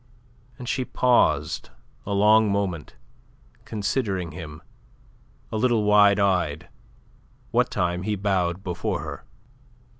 And she paused a long moment, considering him, a little wide eyed, what time he bowed before her.